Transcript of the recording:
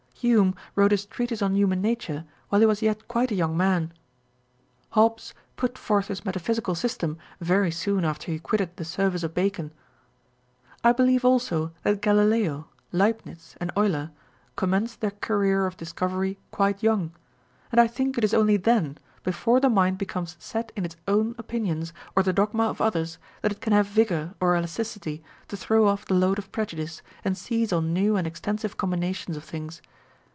Hume wrote his Treatise on Human Nature while he was yet quite a young man. Hobbcs put forth his metaphysical system very soon after he quitted the service of Bacon. I believe also that Galileo, Leibnitz, and Euler commenced their career of discovery quite young ; and I think it is only then, before the mind becomes set in its own opinions or the dogma of others, that it can have vigour or elasticity to throw off the load of prejudice and seize on new and extensive combinations of things.